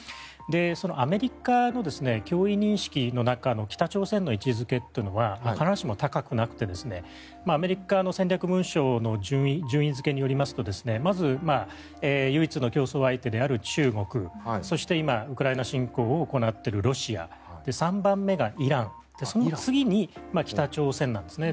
そのアメリカの脅威認識の中の北朝鮮の位置付けというのは必ずしも高くなくてアメリカの戦略文書の順位付けによりますとまず、唯一の競争相手である中国そして今、ウクライナ侵攻を行っているロシア３番目がイランその次に北朝鮮なんですね。